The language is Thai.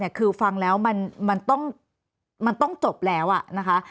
คือฟังแล้วมันต้องจบแล้วนะคะ